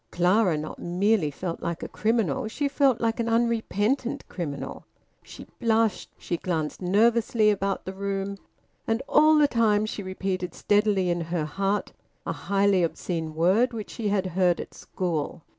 Clara not merely felt like a criminal she felt like an unrepentant criminal; she blushed, she glanced nervously about the room, and all the time she repeated steadily in her heart a highly obscene word which she had heard at school.